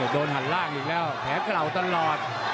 โดนหันล่างอีกแล้วแผลเก่าตลอด